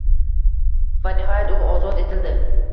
Va nihoyat u ozod etildi